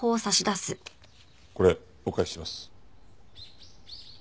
これお返しします。